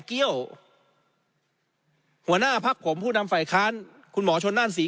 เกี้ยวหัวหน้าพักผมผู้นำฝ่ายค้านคุณหมอชนนั่นศรี